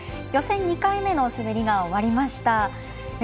予選２回目の滑りが終わりました。